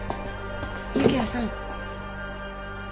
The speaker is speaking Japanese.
幸葉さん。